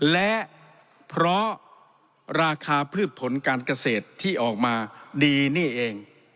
และเพราะราคาพืชผลการเกษตรที่ออกมาดีนี่เอง